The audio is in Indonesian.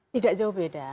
tidak jauh beda